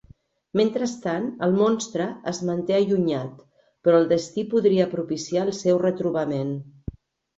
Mentrestant, el monstre es manté allunyat, però el destí podria propiciar el seu retrobament.